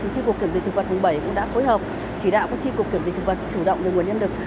chi cục kiểm dịch thực vật vùng bảy cũng đã phối hợp chỉ đạo chi cục kiểm dịch thực vật chủ động về nguồn nhân lực